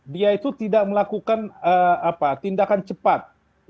dia itu tidak melakukan tindakan cepat